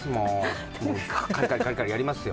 カリカリカリカリやりますよ。